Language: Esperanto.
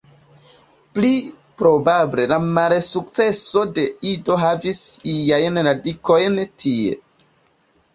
Pli probable la malsukceso de Ido havis iajn radikojn tie.